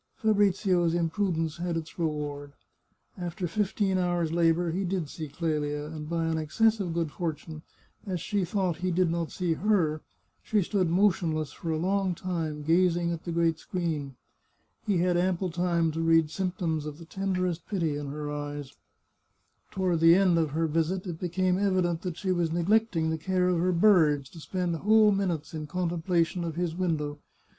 " Fabrizio's imprudence had its reward; after fifteen hours' labour he did see Qelia, and, by an excess of good fortune, as she thought he did not see her, she stood motionless for a long time, gazing at the great screen. He had ample time to read symptoms of the tenderest pity in her eyes. Toward the end of her visit it became evident that she was neglecting the care of her birds to spend whole minutes in contemplation of his window.